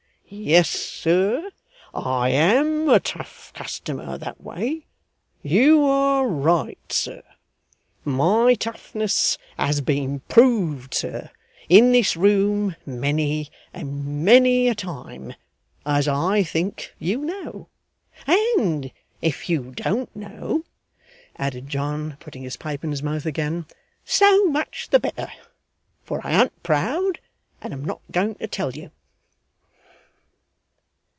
Yes, sir, I AM a tough customer that way. You are right, sir. My toughness has been proved, sir, in this room many and many a time, as I think you know; and if you don't know,' added John, putting his pipe in his mouth again, 'so much the better, for I an't proud and am not going to tell you.